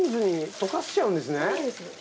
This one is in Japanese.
そうです。